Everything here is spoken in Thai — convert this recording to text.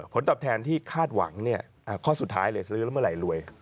ผลตอบแทนที่คาดหวังข้อสุดท้ายเลยซื้อแล้วเมื่อไหรรวย